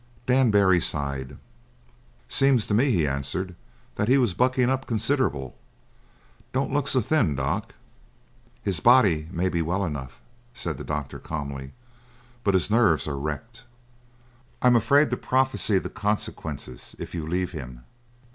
Dan Barry sighed. "Seemed to me," he answered, "that he was buckin' up considerable. Don't look so thin, doc." "His body may be well enough," said the doctor calmly, "but his nerves are wrecked. I am afraid to prophesy the consequences if you leave him."